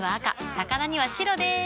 魚には白でーす。